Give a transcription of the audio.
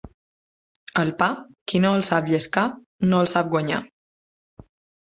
El pa, qui no el sap llescar, no el sap guanyar.